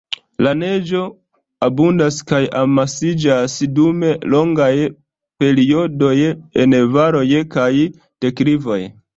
La neĝo abundas kaj amasiĝas dum longaj periodoj en valoj kaj deklivoj.